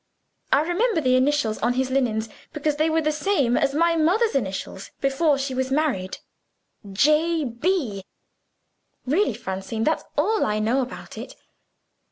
I remember the initials on his linen because they were the same as my mother's initial before she was married 'J. B.' Really, Francine, that's all I know about it."